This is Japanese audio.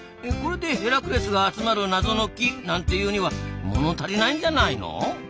これでヘラクレスが集まる謎の木なんて言うにはもの足りないんじゃないの？